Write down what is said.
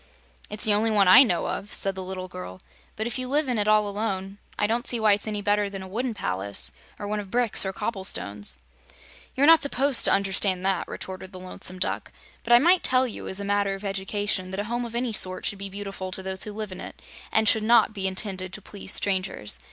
"It's the only one I know of," said the little girl; "but if you live in it all alone, I don't see why it's any better than a wooden palace, or one of bricks or cobble stones." "You're not supposed to understand that," retorted the Lonesome Duck. "But I might tell you, as a matter of education, that a home of any sort should be beautiful to those who live in it, and should not be intended to please strangers.